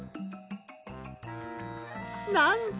なんと！？